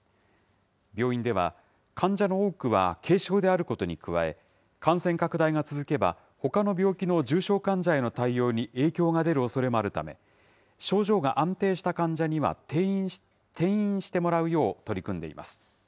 病院では、患者の多くは軽症であることに加え、感染拡大が続けば、ほかの病気の重症患者への対応に影響が出るおそれもあるため、症状が安定した患者には転院してもらうよう取り組んでいます。